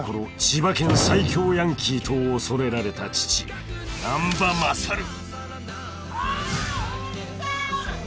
千葉県最強ヤンキーと恐れられた父難破勝］あっ！